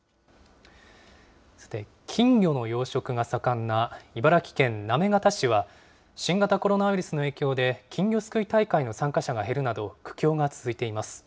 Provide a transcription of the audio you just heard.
さて、金魚の養殖が盛んな茨城県行方市は、新型コロナウイルスの影響で、金魚すくい大会の参加者が減るなど、苦境が続いています。